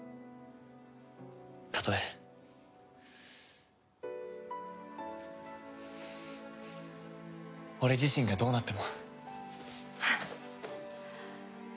たとえ俺自身がどうなっても。